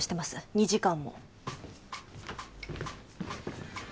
２時間も。